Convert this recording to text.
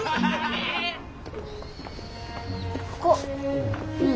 ここ。